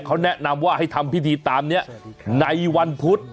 เขาแนะนำว่าให้ทำพิธีตามนี้ในวันพุธ